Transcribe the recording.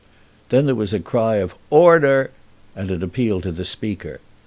Then there was a cry of "Order," and an appeal to the Speaker.